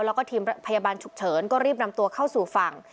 แล้วก็ทีมพยาบาลฉุกเฉินก็รีบนำตัวเข้าสู่ฝั่ง